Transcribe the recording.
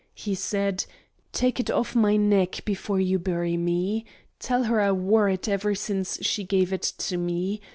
He said: 'Take it off my neck before you bury me; tell her I wore it ever since she gave it to me.